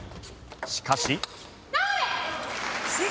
しかし。